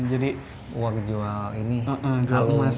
jadi uang jual ini uang jual emas